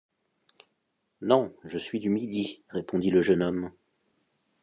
Non, je suis du Midi, répondit le jeune homme.